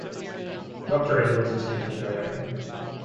Doctor Edwards attended their wedding.